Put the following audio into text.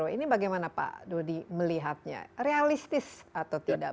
ini bagaimana pak dodi melihatnya realistis atau tidak